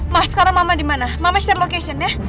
ma sekarang mama dimana mama share location ya